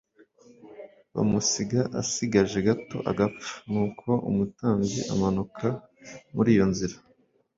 bamusiga asigaje gato agapfa. Nuko umutambyi amanuka muri iyo nzira,